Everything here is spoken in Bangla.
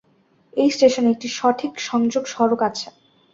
এই স্টেশনে একটি সঠিক সংযোগ সড়ক আছে।